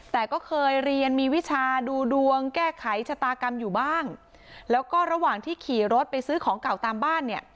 แต่ก็เคยเรียนมีวิชาดูดวงแก้ไขชะตากรรมอยู่บ้างแล้วก็ระหว่างที่ขี่รถไปซื้อของเก่าตามบ้านเนี่ย